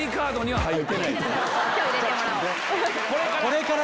これから！